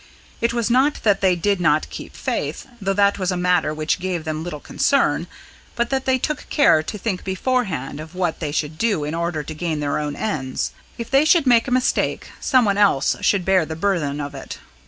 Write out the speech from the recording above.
It was not that they did not keep faith, though that was a matter which gave them little concern, but that they took care to think beforehand of what they should do in order to gain their own ends. If they should make a mistake, someone else should bear the burthen of it.